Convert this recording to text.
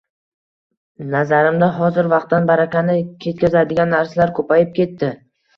Nazarimda, hozir vaqtdan barakani ketkazadigan narsalar ko‘payib ketdi.